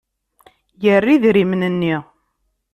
Yerra idrimen-nni.